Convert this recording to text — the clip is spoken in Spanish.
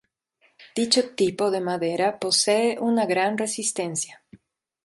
Dicho tipo de madera posee una gran resistencia.